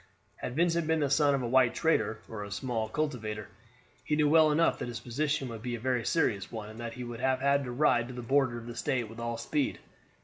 Had Vincent been the son of a white trader, or a small cultivator, he knew well enough that his position would be a very serious one, and that he would have had to ride to the border of the State with all speed.